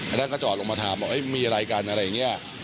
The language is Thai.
อันนั้นก็จอดลงมาถามบอกว่ามีอะไรกันอะไรอย่างเงี้ย